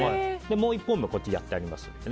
もう１本もやってあります。